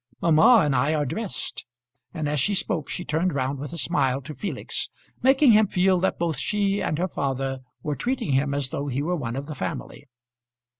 Mamma and I are dressed." And as she spoke she turned round with a smile to Felix, making him feel that both she and her father were treating him as though he were one of the family.